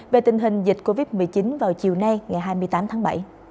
về tình hình dịch covid một mươi chín vào chiều nay ngày hai mươi tám tháng bảy